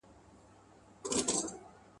توروسترګو یې په نیغ نظر زخمي کړم